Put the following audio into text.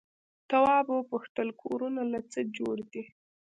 تواب وپوښتل کورونه له څه جوړ دي؟